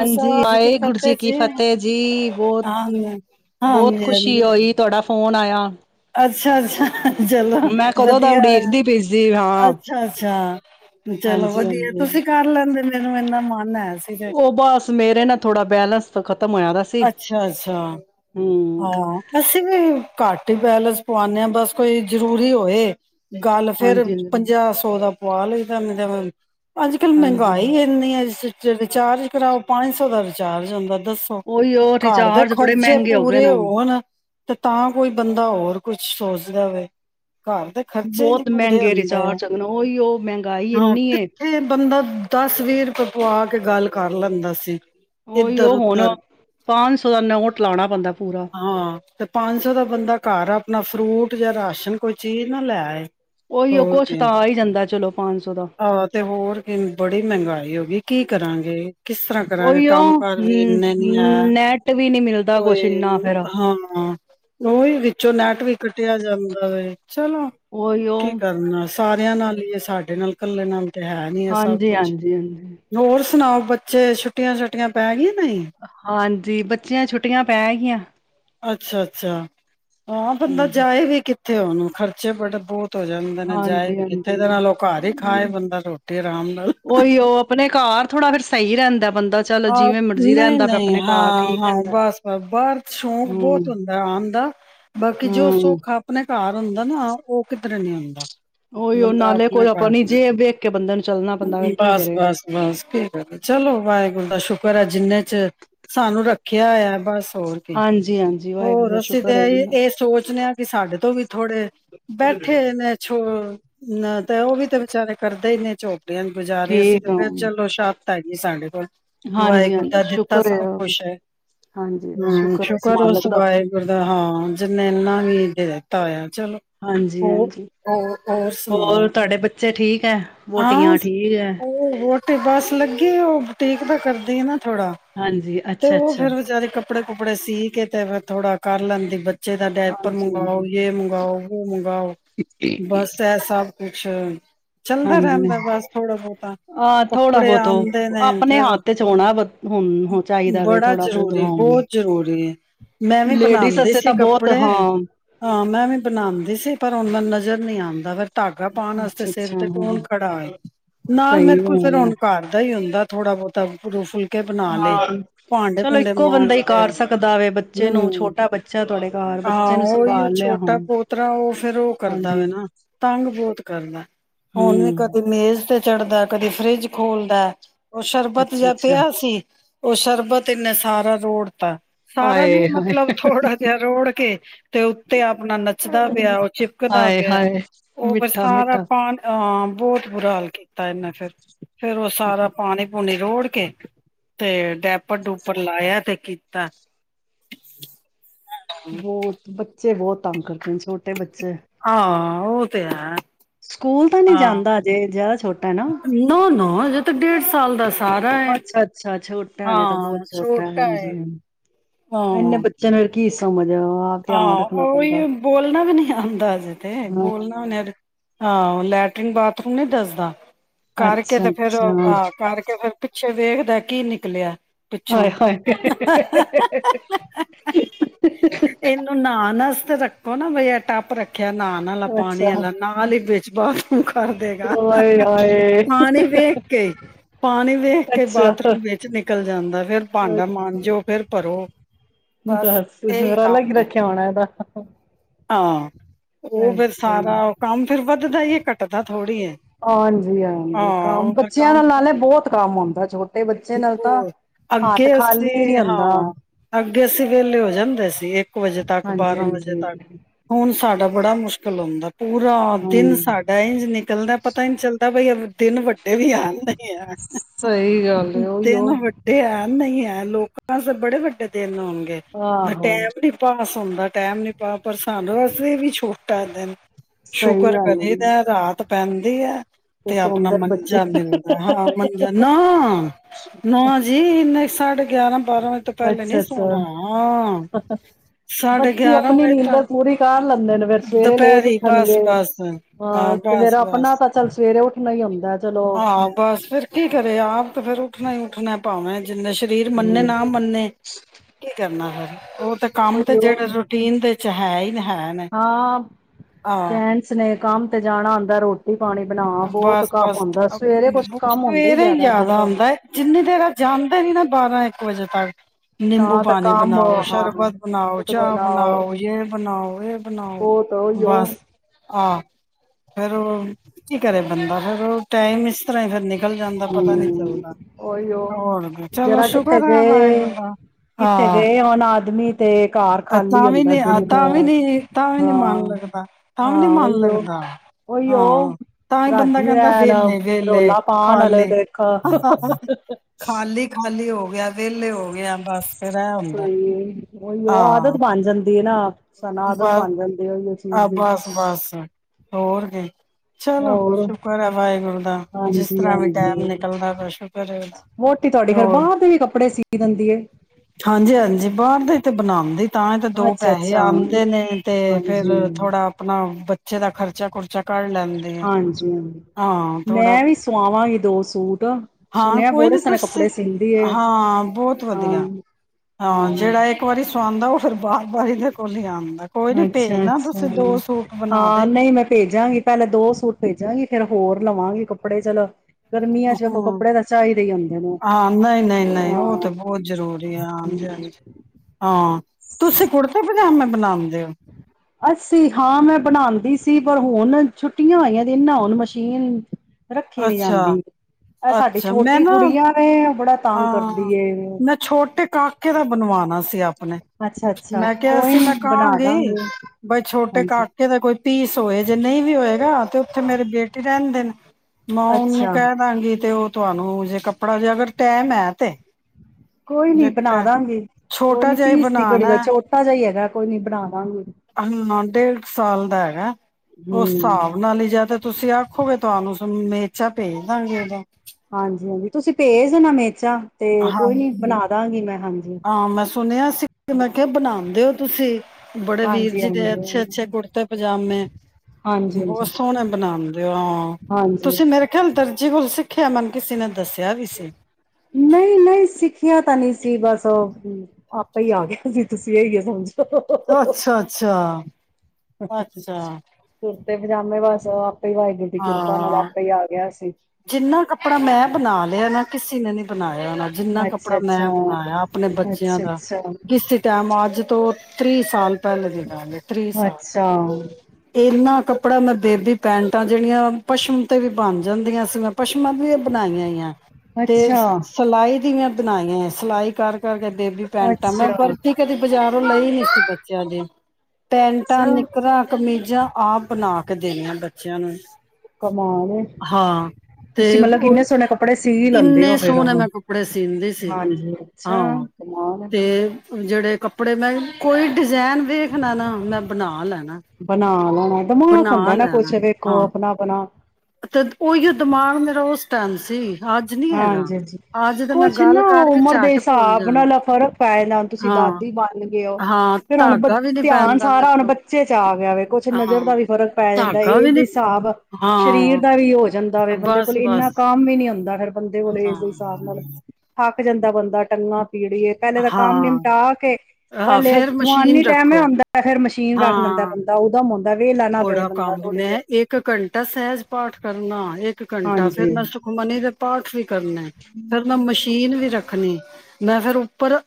ਹਾਂਜੀ ਸਾਹਿਬ ਜੀ ਕੀ ਵਾਹਿਗੁਰੂ ਜੀ ਫਤਿਹ ਕੀ ਫਤਿਹ ਜੀ ਬਹੁਤ ਹਾਂਜੀ ਬਹੁਤ ਹਾਂਜੀ ਖੁਸ਼ੀ ਹਾਂਜੀ ਹੋਈ ਤੁਹਾਡਾ ਫੋਨ ਆਇਆ ਅੱਛਾ ਅੱਛਾ ਚਲੋ ਮੈਂ ਕਦੋਂ ਦਾ ਵਧੀਆ ਉਡੀਕਦੀ ਪਈ ਸੀ ਆ ਹਾਂ ਅੱਛਾ ਅੱਛਾ ਚਲੋ ਹਾਂਜੀ ਵਧੀਆ ਹਾਂਜੀ ਤੁਸੀਂ ਕਰ ਲੈਂਦੇ ਮੇਨੂੰ ਇਨਾ ਉਹ ਬਸ ਮੇਰੇ ਨਾ ਥੋੜਾ ਬੈਲੈਂਸ ਸਖਤ ਅੱਛਾ ਅੱਛਾ ਹਮ ਹਾਂ ਅਸੀਂ ਵੀ ਘੱਟ ਬੈਲੈਂਸ ਪਵਾਉਂਦੇ ਹਾਂ ਬਸ ਕੋਈ ਜਰੂਰੀ ਹੋਏ ਗੱਲ ਫੇਰ ਹਾਂਜੀ ਪੰਜਾਹ ਸੌ ਦਾ ਕਾਲ [unintelligible] ਅੱਜ ਕੱਲ੍ਹ ਹਾਂਜੀ ਮਹਿੰਗਾਈ ਇੰਨੀ ਹੈ ਜਦੋ ਰਿਚਾਰਜ ਕਰਾਓ ਪੰਜ ਸੌ ਦਾ ਰਿਚਾਰਜ ਹੁੰਦਾ ਦੱਸੋ ਹੋਰ ਘਰ ਦੇ ਰਿਚਾਰਜ ਬੜੇ ਖਰਚੇ ਮਹਿੰਗੇ ਹੋ ਗਏ ਪੂਰੇ ਨੇ ਹੁਣ ਹੋਣ ਤੇ ਤਾਂ ਕੋਈ ਬੰਦਾ ਹੋਰ ਕੁਛ ਸੋਚਦਾ ਵੇ ਘਰ ਦੇ ਖਰਚੇ ਨੀ ਬਹੁਤ ਪੂਰੇ ਮਹਿੰਗੇ ਹੁੰਦੇ ਆ ਰਿਚਾਰਜ ਹੈਗੇ ਨੇ ਉਹੀ ਉਹ ਮਹਿੰਗਾਈ ਹਾਂ ਇੰਨੀ ਏ ਕਿਥੇ ਬੰਦਾ ਦਸ ਵੀਹ ਰੁਪਏ ਪੂਆ ਕੇ ਕੇ ਗੱਲ ਕਰ ਲੈਂਦਾ ਸੀ ਉਹੀ ਇੱਧਰ ਉਹ ਹੁਣ ਉੱਧਰ ਪੰਜ ਸੌ ਦਾ ਨੋਟ ਲਾਣਾ ਪੈਂਦਾ ਪੂਰਾ ਹਾਂ ਤੇ ਪੰਜ ਸੌ ਦਾ ਬੰਦਾ ਘਰ ਆ ਆਪਣਾ ਫਰੂਟ ਫਰੂਟ ਜਾਂ ਰਾਸ਼ਨ ਕੋਈ ਚੀਜ਼ ਨਾ ਲਿਆਏ ਉਹੀ ਉਹ ਹੋਰ ਕੁਛ ਕੀ ਤਾਂ ਆ ਹੀ ਜਾਂਦਾ ਚਲੋ ਪੰਜ ਸੌ ਦਾ ਆਹ ਤੇ ਹੋਰ ਕੀ ਬੜੀ ਮਹਿੰਗਾਈ ਹੋ ਗਈ ਕੀ ਕਰਾਂਗੇ ਕਿਸ ਤਰ੍ਹਾਂ ਕਰਾਂਗੇ ਉਹੀਓ ਕੰਮ ਕਾਰ ਵੀ ਇੰਨੇ ਨੀ ਹੈ ਨੈਟ ਵੀ ਨੀ ਮਿਲਦਾ ਕੋਈ ਕੁਛ ਇੰਨਾ ਫਿਰ ਹਾਂ ਉਹੀ ਵਿੱਚੋਂ ਨੈਟ ਵੀ ਕੱਟਿਆ ਜਾਂਦਾ ਹੈ ਚਲੋ ਉਹੀਓ ਕੀ ਕਰਨਾ ਸਾਰਿਆਂ ਨਾਲ ਹੀ ਸਾਡੇ ਸਾਡੇ ਨਾਲ ਕਲੇ ਨਾਲ ਤੇ ਹੈ ਨੀ ਹੈ ਸਭ ਹਾਂਜੀ ਕੁਛ ਹਾਂਜੀ ਹਾਂਜੀ ਹੋਰ ਸੁਣਾਓ ਬੱਚੇ ਛੁਟੀਆਂ ਛਟੀਆਂ ਪੈ ਗਈਆ ਹਾਂਜੀ ਬੱਚ ਬੱਚਿਆ ਛੁੱਟੀਆਂ ਪੈ ਗਈਆ ਅੱਛਾ ਅੱਛਾ, ਹਾਂ ਬੰਦਾ ਹਾਂਜੀ ਜਾਏ ਵੀ ਕਿ ਥੇ ਹੁਣ, ਖਰਚੇ ਬੜੇ ਬੋ ਤ ਹੋ ਜਾਂਦੇ ਨੇ, ਜਾਏ ਹਾਂਜੀ ਵੀ ਕਿਥੇ? ਇਦੇ ਨਾਲੋਂ ਘਰ ਹੀ ਖਾਏ ਹਾਂਜੀ ਬੰਦਾ ਰੋਟੀ ਆਰਾਮ ਨਾਲ। ਥੋੜ੍ਹਾ ਫਿਰ ਸਈ ਰਹਿੰਦਾ ਬੰਦਾ ਚਲੋ ਹਾਂ, ਜਿਵੇਂ ਮਰਜੀ ਨਹੀਂ ਰਹਿੰਦਾ ਫਿਰ ਨਹੀਂ, ਆਪਣੇ ਘਰ ਹਾਂ ਠੀਕ ਹਾਂ, ਰਹਿੰਦਾ ਬਸ ਬਸ, ਬਾਹਰ ਸ਼ੌਕ ਬਹੁਤ ਹਮ ਹੁੰਦਾ ਆਣ ਦਾ, ਬਾਕੀ ਜੋ ਹਮ ਸੁਖ ਆਪਣੇ ਘਰ ਹੁੰਦਾ ਨਾ, ਉਹ ਕਿਧ ਰੇ ਨੀ ਹੋਂਦਾ। ਉਹੀ ਉਹ ਬੰਦਾ ਨਾਲੇ ਆਪਣੇ ਕੋਈ ਆਪਾਂ ਘਰ, ਨੀ ਜੇ ਵੇਖ ਕੇ ਬੰਦੇ ਨੂੰ ਚੱਲਣਾ ਪੈਂਦਾ ਫਿਰ ਕੀ ਬਸ ਕਰੇ ਬਸ ਬਸ, ਕੀ ਕਰੇ? ਚਲੋ ਵਾਹਿਗੁਰੂ। ਪਰ ਜਿੰਨੇ ਚ ਸਾਨੂੰ ਰੱਖਿਆ ਹੋਇਆ, ਬਸ, ਹੋਰ ਕੀ? ਹਾਂਜੀ ਹਾਂਜੀ ਵਾਹਿਗੁਰੂ ਦਾ ਹੋਰ ਅਸੀਂ ਤੇ ਸ਼ੁਕਰ ਹੈ ਏਹੀ ਇੰਨਾ ਇਹ ਸੋਚਨੇ ਆਂ ਕਿ ਸਾਡੇ ਤੋਂ ਵੀ ਥੋੜੇ ਬੈਠੇ ਨੇ, ਛੋ ਨ ਤੇ ਉਹ ਵੀ ਤੇ ਵਿਚਾਰੇ ਕਰਦੇ ਈ ਨੇ ਝੋਪ ੜੀ ਆਂ ਚ ਗੁਜ਼ਾਰੇ, ਅਸੀਂ ਤੇ ਠੀਕ ਆ ਫੇਰ ਚਲੋ ਛੱਤ ਹੈਗੀ ਸਾਡੇ ਕੋਲ ਹਾਂਜੀ ਵਾਹਿਗੁਰੂ ਹਾਂਜੀ ਦਾ ਦਿੱਤਾ ਸ਼ੁਕਰ ਸਭ ਹੈ ਕੁਸ਼ ਐ। ਹਾਂਜੀ ਹੂੰ, ਹੈ ਅਸ ਸ਼ੁਕਰ ਆ ਉਸ ਮਾਲਕ ਦਾ ਵਾਹਿਗੁਰੂ ਦਾ, ਹਾਂ, ਜਿੰਨੇਨਾ ਵੀ ਦੇਤਾ ਹੋਏਆ, ਚਲੋ। ਹਾਂਜੀ ਹਾਂਜੀ ਹੋ-ਹੋ-ਹੋਰ ਸੁਣਾਓ। ਚੇ ਠੀਕ ਐ, ਵੋਟੀਆਂ ਠੀਕ ਐ? ਤੇ ਬਸ ਲੱਗੇ, ਉਹ ਬਟੀਕ ਦਾ ਕਰਦੀ ਆ ਨਾ ਥੋੜਾ ਹਾਂਜੀ ਤੇ ਅੱਛਾ ਉਹ ਅੱਛਾ ਫੇਰ ਬਚਾਰੇ ਕੱਪੜੇ ਕੁੱਪੜੇ ਸੀ ਕੇ ਤੇ ਫਿਰ ਥੋੜਾ ਕਰ ਲੈਂ [unintelligible] ਬੱਚੇ ਦਾ ਡੈਪਰ ਹਾਂਜੀ ਮੰਗਾਓ, ਹਾਂਜੀ ਯੇ ਮੰਗਾਓ, ਵੋ ਮੰਗਾਓ। ਬਸ ਐ ਸਭ ਅੱਛਾ। ਚੱਲਦਾ ਹਾਂਜੀ ਰਹਿੰਦਾ ਹਾਂਜੀ। ਬਸ ਥੋੜਾ ਬਹੁਤਾ। ਆਹ ਥੋੜਾ ਕੱਪੜੇ ਬਹੁਤ ਉਹ ਆਂਦੇ ਨੇ, ਆਪਣੇ ਫੇਰ, ਹੱਥ ਤੇ ਚ ਹੋਣਾ ਬ ਹੁਣ ਹੋ ਚਾਹੀਦਾ ਵ ਬੜਾ ਥੋੜਾ ਜ਼ਰੂਰੀ, ਹਾਂ ਬਹੁਤ ਜ਼ਰੂਰੀ। ਮੈਂ ਵੀ ਲੇਡੀਜ਼ ਬਣਾਦੀ ਅਸੇ ਸੀ ਤਾਂ ਬਹੁਤ ਕੱਪੜੇ, ਹਾਂ ਹਾਂ ਮੈਂ ਵੀ ਬਣਾਦੀ ਸੀ, ਪਰ ਹੁਣ ਮੇ ਨ ਜ਼ਰ ਨੀ ਆਂਦਾ ਫੇਰ ਧਾਗਾ ਪਾਣ ਆਸਤੇ ਅੱਛਾ ਸਿਰ ਅੱਛਾ ਢ ਕੋਨ ਹਾਂ ਖੜਾ ਹੋਏ? ਨਾਲ ਸਹੀ ਮੇਰੇ ਕੋਲ ਫਿਰ ਗੱਲ ਆ ਹੁਣ ਘਰ ਦਾ ਈ ਹੁੰਦਾ ਥੋੜ੍ਹਾ ਬਹੁਤਾ ਰੋ ਫ ਕੇ ਬਣਾ ਦੇ, ਹਾਂ ਭਾਂਡੇ ਚਲੋ ਭੂੰਡੇ ਇੱਕੋ ਮਾਂਜ ਬੰਦਾ ਹੀ ਲਏ। ਕਰ ਸਕਦਾ ਵ ਬੱਚੇ ਨੂੰ ਹੂੰ। ਛੋਟਾ ਬੱਚਾ ਤੁਹਾਡੇ ਘਰ ਬੱਚੇ ਨੂੰ ਆਹੋ, ਉਹੀ ਉਹ ਸੰਭਾਲ ਲਿਆ ਛੋਟਾ ਹੁਣ ਪੋਤਰਾ ਉਹ ਫੇਰ ਉਹ ਕਰਦਾ ਹਾਂਜੀ ਵੇ ਨਾ, ਤੰਗ ਬਹੁਤ ਕਰਦਾ। ਉਹਨੂੰ ਵੀ ਹਮ ਕਦੇ ਮੇਜ ਤੇ ਚੜਦੈ, ਕਦੇ ਫਰਿੱਜ ਖੋਲਦੈ ਉਹ ਸ਼ਰਬਤ ਅੱਛਾ ਜਿਆ ਅੱਛਾ ਪਿਆ ਸੀ, ਉਹ ਸ਼ਰਬਤ ਇੰਨੇ ਸਾਰਾ ਰੋੜਤਾ। ਸਾਰਾ ਨੀ, ਆਏ ਹਾਏ, ਮਤਲਬ ਥੋੜਾ ਜਿਹਾ ਰੋੜ ਕੇ ਤੇ ਉੱਤੇ ਆਪਣਾ ਨੱਚਦਾ ਪਿਆ, ਉਹ ਚਿਪਕਦਾ ਆਏ ਪਿਆ। ਹਾਏ, ਉਹ ਫਿਰ ਮਿੱਠਾ ਸਾਰਾ ਮਿੱਠਾ ਪਾਣ ਹਾਂ ਬਹੁਤ ਬੁਰਾ ਹਾਲ ਕੀਤਾ ਇਹਨੇ। ਚ ਫੇਰ ਉਹ ਸਾਰਾ ਪਾਣੀ ਪੂਣੀ ਰੋੜ ਕੇ ਤੇ ਡੈਪਰ ਡੁਪਰ ਲਾਇਆ ਤੇ ਕੀਤਾ। ਬਹੁਤ ਬੱਚੇ ਬਹੁਤ ਤੰਗ ਕਰਦੇ ਛੋਟੇ ਬੱਚੇ ਓ ਤੇ ਹੈ। ਸਕੂਲ ਤਾਂ ਨਹੀਂ ਹਾਂ ਜਾਂਦਾ ਹਜੇ ਜ਼ਿਆਦਾ ਛੋਟਾ ਨਾ। ਨਾ ਨਾ ਅਜੇ ਡੇਢ ਸਾਲ ਦਾ ਸਾਰਾ ਹੈ ਅੱਛਾ ਅੱਛਾ ਛੋਟਾ ਜੇ ਤਾਂ ਹਾਂ ਬਹੁਤ ਛੋਟਾ ਹਾਂਜੀ ਹੈ ਇੰਨੇ ਬੱਚਿਆਂ ਨੂੰ ਕੀ ਸਮਝ ਆ ਆਪ ਹਾਂ ਧਿਆਨ ਰੱਖਣਾ ਪੈਂਦਾ ਉਹੀ ਬੋਲਣਾ ਵੀ ਨੀ ਆਦਾ ਅਜੇ ਤੇ ਹਾਂ ਬੋਲਣਾ ਵੀ ਨਹੀਂ ਹਾਂ। ਲੈ ਟਰਿੰਗ ਬਾਥਰੂਮ ਨਹੀ ਦੱਸਦਾ। ਕਰਕੇ ਅੱਛਾ ਤੇ ਫੇਰ ਅੱਛਾ ਆਹ ਕਰਕੇ ਫੇਰ ਪਿੱਛੇ ਵੇਖ ਦਾ ਕੀ ਨਿਕਲਿਆ। ਪਿੱਛੋਂ ਆਏ ਹਾਏ ਨਾਹਨ ਵਾਸਤੇ ਰੱਖ ਕਹੋ ਨਾ ਬਈ ਇਹ ਟੱਪ ਰੱਖਿਆ ਨਾਹਣ ਆਲਾ ਪਾਣੀ ਅੱਛਾ ਵਾਲਾ ਨਾਲ ਹੀ ਵਿੱਚ ਬਾਥਰੂਮ ਕਰ ਦੇਗਾ। ਹਾਏ ਹਾਏ ਪਾਣੀ ਵੇਖ ਕੇ ਪਾਣੀ ਵੇਖ ਕੇ ਅੱਛਾ ਬਾਥਰੂਮ ਵਿੱਚ ਨਿਕਲ ਜਾਂਦਾ ਫੇਰ ਭਾਂਡਾ ਮਾਂਜਓ ਫੇਰ ਭਰੋ। ਬਸ ਦਸ ਇਹੀ ਫੇਰ ਅਲੱਗ ਹੀ ਰਖਿਆ ਉਣਾ ਇਹਦਾ। ਆ ਉਹ ਫੇਰ ਅੱਛਾ ਸਾਰਾ ਕੰਮ ਫਿਰ ਵੱਧਦਾ ਹੀ ਹੈ ਘੱਟਦਾ ਥੋੜ੍ਹੀ ਹੈ ਹਾਂਜੀ ਹਾਂ ਹਾਂਜੀ ਕੰਮ ਉਹ ਫਿਰ ਬੱਚਿਆਂ ਕੰਮ ਨਾਲ ਹੋਰ। ਨਾਲੇ ਬਹੁਤ ਕੰਮ ਆਉਂਦਾ ਛੋਟੇ ਬੱਚੇ ਨਾਲ ਤਾਂ ਹੱਥ ਅੱਗੇ ਅਸੀਂ ਖਾਲੀ ਨੀ ਹੁੰਦਾ ਹਾਂ ਏਸੀ ਵੇਲੇ ਹੋ ਜਾਣਦਾ ਸੀ। ਇੱਕ ਵਜੇ ਤੱਕ ਹਾਂਜੀ ਬਾਰਾਂ ਵਜੇ ਹਾਂਜੀ ਤੱਕ ਹੁਣ ਸਾਡਾ ਬੜਾ ਮੁਸ਼ਕਿਲ ਹੁੰਦਾ ਪੂਰਾ ਦਿਨ ਹਮ ਸਾਡਾ ਇੰਝ ਨਿਕਲਦਾ ਪਤਾ ਹੀ ਨਹੀਂ ਚੱਲਦਾ ਬਈ ਦਿਨ ਵੱਡੇ ਵੀ ਐਨੇ ਹੈ ਸਹੀ ਗੱਲ ਏ ਉਹੀਓ ਦਿਨ ਵੱਡੇ ਐ ਨਹੀਂ ਹੈ। ਲੋਕਾਂ ਵਾਸਤੇ ਬੜੇ ਵੱਡੇ ਦਿਨ ਐ। ਹੋਣਗੇ ਆਹੋ ਟੈਮ ਨੀ ਪਾਸ ਹੁੰਦਾ ਟਾਈਮ ਨਹੀਂ ਪਾਸ ਪਰ ਸਾਨੂੰ ਵਾਸਤੇ ਵੀ ਛੋਟਾ ਦਿਨ ਸਹੀ ਸ਼ੁਕਰ ਗੱਲ ਏ ਕਰੀਦਾ ਰਾਤ ਪੈਂਦੀ ਹੈ। ਤੇ ਆਪਣਾ ਸੁੰਦਰ ਬੱਚੇ ਮੰਜਾ ਮਿਲਦਾ ਹਾਂ ਮੰਜਾ ਨਾਂ ਨਾਂ ਜੀ ਇੰਨੇ ਸਾਡੇ ਗਿਆਰਾਂ ਬਾਰਾਂ ਵਜੇ ਤੋਂ ਪਹਿਲੇ ਅੱਛਾ ਨੀ ਅੱਛਾ ਸੋਣਾ ਸਾਡੇ ਗਿਆਰਾਂ ਵਜੇ ਦਰ ਤੱਕ ਪੂਰੀ ਕਰ ਲੈਂਦੇ ਨੇ ਫਿਰ ਸਵੇਰੇ ਲੇਟ ਦੁਪਹਿਰੀ ਬਸ ਉੱਠਣਗੇ ਬਸ ਹਾਂ, ਤੇ, ਬਸ ਫੇਰ ਬਸ ਆਪਣਾ ਤਾਂ ਚੱਲ ਸਵੇਰੇ ਉੱਠਣਾ ਹੀ ਆਉਂਦਾ। ਹਾਂ ਬਸ ਫੇਰ, ਕੀ ਕਰੇ ਆਪ ਤੇ ਫੇਰ ਉੱਠਣਾ ਹੀ ਉੱਠਣਾ। ਪਾਵਾਂ ਜਿੰਨਾ ਸਰੀਰ ਮੰਨੇ ਹਮ ਨਾ ਮੰਨੇ ਕੀ ਕਰਨਾ ਫਿਰ ਹੋਰ ਕੰਮ ਤੇ ਉਹੀ ਜਿਹੜੇ ਉਹ ਰੂਟੀਨ ਦੇ ਵਿੱਚ ਹੈ। ਹੈ ਨੇ ਹਾਂ ਆਹ ਜੈਨਸ ਨੇ ਕੰਮ ਤੇ ਜਾਣਾ ਹੁੰਂਦਾ ਰੋਟੀ ਪਾਣੀ ਬਣਾ ਬਹੁਤ ਬਸ ਕੰਮ -ਬਸ ਹੁੰਦਾ ਸਵੇਰੇ ਕੁਛ ਕੰਮ ਹੁੰਦਾ ਸਵੇਰੇ ਹੀ ਜ਼ਿਆਦਾ ਬਹੁਤ ਜਿਆਦਾ ਆਉਂਦਾ ਜਿੰਨੀ ਦੇਰ ਜਾਂਦੇ ਨੀ ਨਾ ਬਾਰਾਂ ਇੱਕ ਇੱਕ ਵਜੇ ਤੱਕ ਨਿੰਬੂ ਤਾਂ ਤਾਂ ਪਾਣੀ ਕੰਮ ਬਣਾਓ, ਹਾਂ ਸ਼ਰਬਤ ਬਣਾਓ, ਕੁਛ ਚਾਹ ਬਣਾਓ, ਯ ਬਣਾਓ ਇਹ ਬਣਾਓ ਬਹੁਤ ਉਹੀਓ ਬਸ ਆਹ। ਫਰ ਕੀ ਕਰੇ ਬੰਦਾ ਫਿਰ ਉਹ ਟਾਈਮ ਇਸ ਤਰ੍ਹਾਂ ਹੀ ਫਿਰ ਨ ਹਮ ਹੋਰ ਉਓਹੀ ਚਲੋ ਜਰਾ ਕਿੱਥੇ ਸ਼ੁਕਰ ਹੈ ਵਾਹਿਗੁਰੂ ਗਏ ਦਾ। ਕਿੱਥੇ ਹਾਂ ਗਏ ਹੁਣ ਆਦਮੀ ਤੇ ਘਰ ਖਾਲੀ ਤਾਂ ਵੀ ਹੁੰਦਾ ਨੀ ਬਿਲਕਲ ਤਾਂ ਵੀ ਨੀ ਤਾਂ ਵੀ ਨੀ ਹਾਂ ਮਨ ਲੱਗਦਾ। ਤਾਂ ਵੀ ਨੀ -ਹਾਂ ਮਨ ਉਹੀ-ਉਹ ਲੱਗਦਾ ਉਹੀ। ਹਾਂ। ਤਾਂ ਹੀ ਬੰਦਾ ਕਹਿੰਦਾ ਵੇਲੇ- ਵੇਲੇ ਖਾ ਲ ਦੇਖਾ ਖਾਲੀ ਖਾਲੀ ਹੋ ਵਿਹਲੇ ਹੋ ਗਿਆਏ ਬਸ। ਫੇਰ ਇਹ ਹੁੰਦਾ ਹ ਉਹੀ-ਉਹ ਆਦਤ ਹਾਂ। ਬਣ ਜਾਂਦੀ। ਦੀ ਨਾ ਸਾਨੂੰ ਆਦਤ ਬਣ ਜਾਂਦੀ ਹੋ ਆਹ ਬਸ- ਬਸ ਹੋਰ ਕਿ ਚਲੋ ਹੋਰ ਸ਼ੁਕਰ ਹੈ, ਵਾਹਿਗੁਰੂ ਦਾ। ਜਿਸ ਹਾਂਜੀ ਤਰ੍ਹਾਂ ਵੀ ਹਾਂਜੀ ਟੈਮ ਨਿਕਲਦਾ ਪ ਸ਼ੁਕਰ ਵੋਟੀ ਤੁਹਾਡੀ ਖੈਰ ਹੋਰ ਬਾਹਰ ਦੇ ਵੀ ਕੱਪੜੇ ਸੀ ਦਿੰਦੀ ਏ ਹਾਂਜੀ- ਹਾਂਜੀ। ਬਾਹਰ ਦੇ ਤੇ ਬਣਾਉਂਦੇ ਤਾਂ ਹੀ ਤਾਂ ਦੋ ਅੱਛਾ ਪੈਹੇ ਅੱਛਾ ਹਾਂਜੀ ਆਉਂਦੇ ਨੇ ਤੇ ਹਾਂਜੀ ਫਿਰ ਥੋੜਾ ਆਪਣਾ ਬੱਚੇ ਦਾ ਖਰਚਾ ਖੁਰਚਾ ਕੱਢ ਲੈਂਦੀ ਹੈ ਹਾਂਜੀ ਹਾਂਜੀ ਹਾਂ ਥੋੜਾ ਮੈਂ ਵੀ ਸਵਾਵਾਂਗੀ ਦੋ ਸੂਟ ਹਾਂ ਸੁਣਿਆ ਕੋਈ ਬੋੜੇ ਨੀ ਸਣੇ ਤੁਸੀਂ ਕੱਪੜੇ ਸੀਦੀ ਹਾਂ ਬਹੁਤ ਵਧੀਆ ਹਮ ਬਾਹ ਬਾਰੀ ਦੇ ਕੋਲੀ ਆ ਹ ਕਈ ਨ ਅੱਛਾ ਅੱਛਾ ਹਾਂ ਨਹੀਂ ਮੈਂ ਭੇਜਾਂਗੀ ਪਹਿਲਾਂ ਦੋ ਸੂਟ ਭੇਜਾਂਗੀ ਫੇਰ ਹੋਰ ਲਵਾਂਗੇ ਕੱਪੜੇ ਚਲ ਨੇ ਹਾਂ ਨਹੀਂ ਨਹੀਂ ਨਹੀਂ ਉਹ ਹਾਂ ਤੇ ਬਹੁਤ ਜ਼ਰੂਰੀ ਆ ਹਾਂਜੀ ਹਾਂਜੀ ਹਾਂ ਤੁਸੀਂ ਕੁੜਤੇ ਪਜਾਮੇ ਬਣਾਉਣ ਅਸੀਂ ਹਾਂ ਮੈਂ ਬਣਾਉਂਦੀ ਸੀ ਪਰ ਹੁਣ ਛੁੱਟੀਆਂ ਹੋਈਆਂ ਤੇ ਨਾ ਹੁਣ ਮਸ਼ੀਨ ਰੱਖੀ ਨੀ ਅੱਛਾ ਜਾਂਦੀ ਸਾਡੀ ਅੱਛਾ ਮੈਂ ਛੋਟੀ ਨਾ ਕੁੜੀਆਂ ਵ ਉਹ ਬੜਾ ਤੰਗ ਹਾਂ ਕਰਦੀ ਏ ਨਾ ਛੋਟ ਤੇ ਕਾਕੇ ਦਾ ਬਣਵਾਉਣਾ ਸੀ ਆਪਣੇ ਅੱਛਾ ਅੱਛਾ ਮੈਂ ਕਿਹਾ ਕੋਈ ਸੀ ਮੈਂ ਨੀ ਬਣਾ ਕਹਾਂਗੀ ਦਾਂਗੇ ਬਈ ਛੋਟੇ ਹਾਂਜੀ ਕਾਕੇ ਦਾ ਕੋਈ ਪੀਸ ਹੋਏ ਜੇ ਨਹੀਂ ਵੀ ਹੋਏਗਾ ਤੇ ਉੱਥੇ ਮੇਰੀ ਬੇਟੀ ਰਹਿੰਦੇ ਨੇ ਮੈਂ ਉਹਨੂੰ ਅੱਛਾ ਕਹਿ ਦਾਂਗੀ ਤੇ ਉਹ ਤੁਹਾਨੂੰ ਜੇ ਕੱਪੜਾ ਜੇ ਅਗਰ ਟੈਮ ਹੈ ਤੇ ਕੋਈ ਨੀ ਜੇ ਬਣਾ ਟੈ- ਦਾਂਗੇ ਕੋਈ ਛੋਟਾ ਨੀ ਜਿਹਾ ਹੀ ਪੀਸ ਦੀ ਕੜੀੱਲ ਬਣਾਉਣਾ ਚੋਟਾ ਜਿਹਾ ਹੀ ਹੈਗਾ ਕੋਈ ਨੀ ਬਣਾਵਾਂਗੇ ਹ ਢੇਢ ਸਾਲ ਦਾ ਹੈਗਾ ਉਸ ਹਮ ਹਿਸਾਬ ਨਾਲ ਹੀ ਜ ਤੇ ਤੁਸੀਂ ਆਖੋਗੇ ਤੁਹਾਨੂੰ ਮੇਚਾ ਭੇਜ ਦਾਂਗੇ ਉਦੋਂ ਹਾਂਜੀ ਹਾਂਜੀ ਤੁਸੀਂ ਭੇਜ ਨਾ ਮੇਚਾਂ ਤੇ ਕੋਈ ਨੀ ਹਾਂਜੀ ਬਣਾ ਦਵਾਂਗੀ ਮੈਂ ਹ ਹਾਂ ਮੈਂ ਸ ਸੁਣਿਆ ਸੀ ਮੈਂ ਕਿਹਾ ਬਣਾਉਣਦੇ ਹੋ ਤੁਸੀਂ ਬੜੇ ਵੀਰ ਹਾਂਜੀ ਜੀ ਦੇ ਹਾਂਜੀ ਅੱਛੇ ਅੱਛੇ ਕੁੜਤੇ ਪਜਾਮੇ ਹਾਂਜੀ ਬਹੁਤ ਹਾਂਜੀ ਸੋਹਣੇ ਬਣਾਉਣ ਹਾਂ ਹਾਂਜੀ ਤੁਸੀਂ ਮੇਰੇ ਖਿਆਲ ਦਰਜੀ ਕੋਲ ਸਿੱਖ ਆਖਿਆ ਮਨ ਕਿਸੇ ਨੇ ਦੱਸਿਆ ਵੀ ਸੀ ਨਹੀਂ ਨਹੀਂ ਸਿੱਖ ਕੀ ਤਾਂ ਨ ਸੀ ਬਸ ਉਹ ਆਪਾਂ ਹੀ ਆ ਤੁਸੀਂ ਇਹਹੀ ਆ ਸਮਝ ਅੱਛਾ ਅੱਛਾ ਅੱਛਾ ਤੇ ਪਜਾਮੇ ਬਸ ਆਪ ਵਾਹਿਗੁਰੂ ਦੀ ਕਿਰਪਾ ਨਾਲ ਹਾਂ। ਆਪੇ ਹੀ ਆ ਗਿਆ ਸੀ ਜਿੰਨਾ ਕੱਪੜਾ ਮੈਂ ਬਣਾ ਲਿਆ ਨਾ ਕਿਸੇ ੀ ਬਇਆ ਣਾ ਜਿੰਨਾ ਅੱਛਾ ਕੱਪੜਾ ਮੈਂ ਅੱਛਾ ਬਣਾਇਆ ਆਪਣੇ ਬੱਚਿਆਂ ਅੱਛਾ ਦਾ ਅੱਛਾ ਕਿਸੇ ਟਾਈਮ ਅੱਜ ਤੋਂ ਤੀਹ ਸਾਲ ਪਹਿਲ ਦੀ ਗੱਲ ਤੀ ਸਾਲ ਅੱਛਾ ਇਨਾ ਕ ਕੱਪੜਾ ਮੈਂ ਬੇਬੀ ਪੈਂਟਾਂ ਜਿਹੜੀਆਂ ਪਸ਼ਮ ਤੇ ਵੀ ਬਣ ਜਾਂਦੀਆਂ ਸੀ ਮੈਂ ਪਸ਼ਮਾਂ ਦੀਆਂ ਬਣਾਈਆਂ ਤੇ ਅੱਛਾ ਸਿਲਾਈ ਦੀ ਵੀ ਬਣਾਈਆਂ ਸਿਲਾਈ ਕਰ ਕਰ ਬੇਬੀ ਪੈਂਟਾਂ ਮੈਂ ਅੱਛਾ ਵਰਤੀ ਕਦੀ ਬਾਜ਼ਾਰੋਂ ਲਈ ਨੀ ਸੀ ਬੱਚਿਆਂ ਦੀ ਪੈਂਟਾਂ ਅੱਛਾ ਨਕਰਾਂ ਕਮੀਜ਼ਾਂ ਆਪ ਬਣਾ ਦੇਣੀਆਂ ਬੱਚਿਆਂ ਨੂੰ ਕਮਾਲ ਏ ਹਾਂ ਤੇ ਤੁਸੀਂ ਮਤਲਬ ਉਹ ਕਿੰਨੇ ਸੋਹਣੇ ਕੱਪੜੇ ਸੀ ਲੈਂਦੇ ਹੋ ਇੰਨੇ ਫਿਰ ਸੋਹਣੇ ਉਹ ਮੈਂ ਕੱਪੜੇ ਸੀਂਦੀ ਸੀ ਹਾਂਜੀ ਅੱਛਾ ਹਾਂ ਤੇ ਜਿਹੜੇ ਕੱਪੜੇ ਮੈਂ ਕੋਈ ਜੈਨ ਵੇਖਣਾ ਨਾ ਮੈਂ ਬਣਾ ਲੈਣਾ ਬਣਾ ਲੈਣਾ ਦਿਮਾਗ ਬਣਾ ਹੁੰਦਾ ਨਾ ਕੁਛ ਲੈਣਾ ਵੇਖੋ ਹਾਂ ਆਪਣਾ ਬਣਾ ਤੇ ਉਹੀ ਦਿਮਾਗ ਮੇਰਾ ਉਸ ਸਟਾਈਨ ਸੀ। ਅੱਜ ਨੀ ਹੈਗਾ ਹਾਂਜੀ -ਹਾਂਜੀ ਅੱਜ ਤੇ ਮੈਂ ਕੁਛ ਨਾ ਗੱਲ ਕਰਕੇ ਉਮਰ ਦੇ ਝੱਟ ਭੁੱਲ ਹਿਸਾਬ ਜਾਣਾ ਨਾਲ ਫ਼ਰਕ ਪੈ ਜਾਂਦਾ ਹੁਣ ਤੁਸੀਂ ਹਾਂ ਦਾਦੀ ਬਣ ਗਏ ਹੋ ਹਾਂ ਫਿਰ ਹੁਣ ਬ ਧਾਗਾ ਵੀ ਨੀ ਧਿਆਨ ਪੈਂਦਾ ਸਾਰਾ ਮੇਰੇ ਹੁਣ ਕੋਲ ਬੱਚੇ ਚ ਆ ਗਿਆ ਵਵੇ ਕੁਛ ਹਾਂ ਨਜ਼ਰ ਦਾ ਵੀ ਫ਼ਰਕ ਪੈ ਜਾਂਦਾ ਧਾਗਾ ਇਹ ਵੀ ਨੀ ਹਿਸਾਬ ਸਰੀਰ ਹਾਂ ਦਾ ਵੀ ਹੋ ਜਾਂਦਾ। ਬੰਦੇ ਬਸ ਕੋਲ ਇੰਨਾ ਬਸ ਕੰਮ ਵੀ ਨੀ ਹੁੰਦਾ ਫਿਰ ਦੇਲੇ ਹਾਂ ਇਸਦੇ ਹਿਸਾਬ ਨਾਲਾਂ ਪੱਕ ਜਾਂਦਾ ਬੰਦਾ ਟੰਗਾਂ ਪੀੜੀਏ ਪਹਿਲੇ ਤਾਂ ਕੰਮ ਹਾਂ ਨਿਮਟਾ ਕੇ ਹਾਂ ਪਹਿਲੇ ਫਿਰ ਜਵਾਨੀ ਟੈਮ ਆਂਦਾ ਫੇਰ ਮ ਚੀਨ ਰੱਖ ਲੈਂਦਾ ਬੰਦਾ ਉਹਦਾ ਬੜਾ ਕੰਮ ਹੁੰਦਾ ਮੈਂ ਇੱਕ ਘੰਟਾ ਸਹਿਜ ਪਾਠ ਕਰਨਾ ਇੱਕ ਇੱਕ ਘੰਟਾ ਫੇਰ ਹਾਂਜੀ ਮੈਂ ਸੁਖਮਨੀ ਦੇ ਪਾਠ ਕਰਨਾ ਫੇਰ ਮੈਂ ਮਸ਼ੀਨ ਵੀ ਰੱਖਣੀ। ਮੈਂ ਫਿਰ ਉੱਪਰ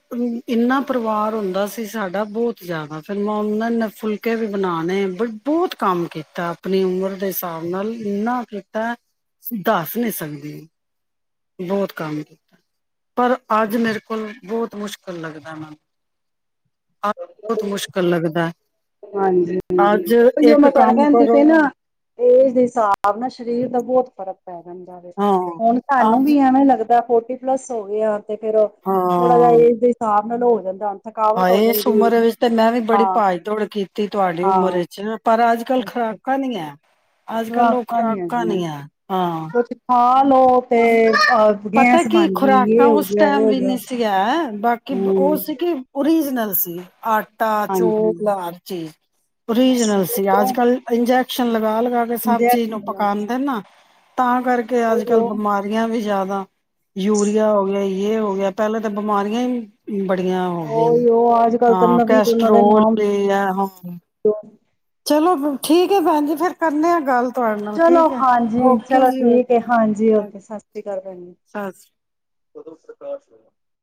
ਇੰਨਾ ਪਰਿਵਾਰ ਹੁੰਦਾ ਸੀ ਸਾਡਾ ਬਹੁਤ ਜ਼ਿਆਦਾ ਫਿਰ ਮੈਂ ਉਹਨਾਂ ਨੇ ਫੁਲਕੇ ਵੀ ਬਣਾਣੇ ਬ ਬਹੁਤ ਕੰਮ ਕੀਤਾ ਆਪਣੀ ਉਮਰ ਦੇ ਹਿਸਾਬ ਨਾਲ ਇੰਨਾ ਕੀਤਾਂ ਦੱਸ ਨਹੀਂ ਸਕਦੇ। ਬਹੁਤ ਕੰਮ ਕੀਤਾ ਪਰ ਅੱਜ ਮੇਰੇ ਕੋਲ ਬਹੁਤ ਮੁਸ਼ਕਿਲ ਲੱਗਦਾ ਉਹਨਾਂ ਨੂੰ ਬਹੁਤ ਮੁਸ਼ਕਿਲ ਲੱਗਦਾ। ਹਾਂਜੀ ਹਾਂਜੀ ਉਹ ਮੈਂ ਤ ਕਿੰਦੀ ਕਰੋ ਪ ਨਾ ਏਜ ਦੇ ਹਿਸਾਬ ਨਾ ਸਰੀਰ ਦਾ ਬਹੁਤ ਫ਼ਰਕ ਪੈ ਜਾਂਦਾ ਵ ਹਾਂ ਹੁਣ ਸਹਾਨੂੰ ਅੱਜ ਵੀ ਐਵੇਂ ਲੱਗਦਾ ਫੋਰਟੀ ਪਲੱਸ ਹੋ ਗ ਆ ਤੇ ਫੇਰ ਥੋੜਾ ਜ ਏਜ ਦੇ ਹਿਸਾਬ ਉਹ ਨਾਲ ਹੋ ਜਾਂਦਾ। ਹਾਂ ਥਕਾਵਟ ਹੋ ਇਸ ਜਾਂਦੀ ਹੈ ਉਮਰ ਵਿੱਚ ਤੇ ਮੈਂ ਵੀ ਬੜੀ ਹਾਂ ਭਾਜ ਦੌੜ ਕੀਤੀ। ਤੀ ਤੁਹਾਡੀ ਉਮਰ ਹਾਂ ਵਿੱਚ ਪਰ ਅੱਜ ਕੱਲ੍ਹ ਅੱਛਾ ਖੁਰਾਕਾਂ ਨਹੀਂ ਹੈ। ਅੱਜ ਕੱਲ ਉਹ ਨੀ ਖੁਰਾਕਾਂ ਹੈਗੀਆਂ ਨਹੀਂ ਆ। ਕੁਛ ਖਾ ਤੇ ਅਹ ਪਤਾ ਕੀ ਖੁਰਾਕਾਂ ਉਸ ਟਾਈਮ ਵੀ ਗਿਆ ਨਹੀਂ ਸੀਗਾ ਬਾਕੀ ਉਹ ਹੂੰ ਸੀ ਕਿ ਸੀਜ਼ਨਲ ਸੀ ਆਟ ਤਾ ਚੋ ਹਾਂਜੀ ਲਾਲਚੀ। ਓਰੀਜਨਲ ਸੀ ਅੱਜ ਕੱਲ ਇੰਜੈਕਸ਼ਨ ਲਗਾ- ਲਗਾ ਕੇ ਸਭ ਚੀਜ਼ ਨੂੰ ਇੰਜੈਕਸ਼ਨ, ਪਕਾਦੇ ਨਾ। ਤਾਂ ਕਰਕੇ ਅੱਜ ਕੱਲ ਉਹੀਓ ਬਿਮਾਰੀਆਂ ਵੀ ਜ਼ਿਆਦਾ ਯੂਰੀਆ ਹੋ ਗਿਆ ਹੋ ਗਿਆ ਪਹਿਲਾਂ ਤਾਂ ਬਿਮਾਰੀਆਂ ਹੀ ਬੜੀਆਂ ਹੋ ਗਈਆਂ ਨੇ ਉਹੀਓ ਅੱਜ ਕੱਲ ਤਾਂ ਹਾਂ ਨਵੀਂ ਤੋਂ ਨਵੇਂ ਕੈਸਟਰੋਲ ਨਾਮ ਆ ਹ ਚਲੋ ਠੀਕ ਹੈ ਭੈਣ ਜੀ ਫੇਰ ਕਰਨੇ ਆ ਗੱਲ ਤੁਹਾਡੇ ਨਾਲ ਚਲੋ ਠੀਕ ਹੈ ਹਾਂਜੀ ਓਕੇ ਚਲੋ ਜੀ ਠੀਕ ਹੈ ਹਾਂਜੀ ਓ ਸਤਿ ਸ਼੍ਰੀ ਅਕਾਲ ਭੈ ਸਸ ਉਦੋਂ ਸਰਕਾਰਸ਼ ਹੋ